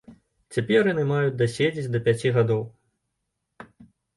Цяпер яны маюць даседзець да пяці гадоў.